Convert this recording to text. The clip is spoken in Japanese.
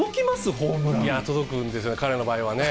ホームラいや、届くんですよね、彼の場合はね。